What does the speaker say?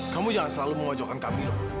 kamu jangan selalu mengwajokkan kamila